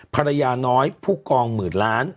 ภรรยาน้อยผู้กองหมื่นล้าน